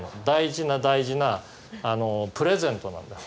大事な大事なプレゼントなの。